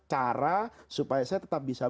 cara supaya saya tetap bisa